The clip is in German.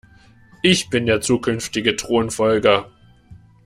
Ich bin der zukünftige Thronfolger.